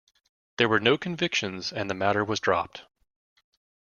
There were no convictions and the matter was dropped.